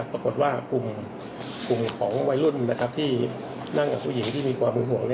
ปรากฏว่ากลุ่มของวัยรุ่นที่นั่งกับผู้หญิงที่มีความเป็นห่วง